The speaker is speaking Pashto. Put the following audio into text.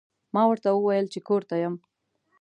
ما ورته وویل چې کور ته یم.